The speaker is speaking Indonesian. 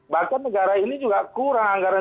bahkan negara ini juga kurang anggaran